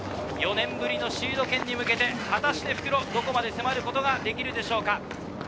４年ぶりのシード権に向けて復路はどこまで迫ることができるでしょうか。